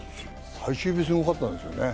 最終日、すごかったんですよね。